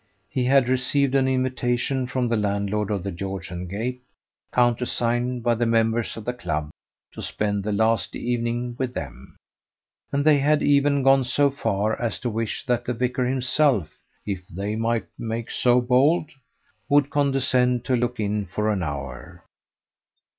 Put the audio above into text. He had received an invitation from the landlord of the "George and Gate," countersigned by the members of the club, to spend the last evening with them, and they had even gone so far as to wish that the vicar himself "if they might make so bold would condescend to look in for an hour."